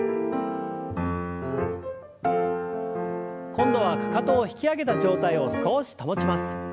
今度はかかとを引き上げた状態を少し保ちます。